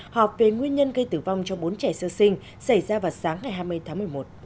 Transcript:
họp về nguyên nhân gây tử vong cho bốn trẻ sơ sinh xảy ra vào sáng ngày hai mươi tháng một mươi một